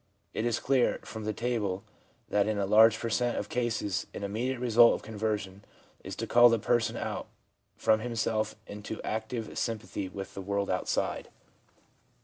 It is clear, from the table, that in a large per cent, of cases an immediate result of conversion is to call the person out from himself into active sympathy zvith the zvorld outside.